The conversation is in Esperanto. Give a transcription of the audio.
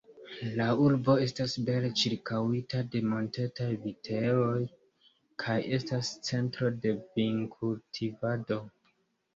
La urbo estas bele ĉirkaŭita de montetaj vitejoj, kaj estas centro de vinkultivado.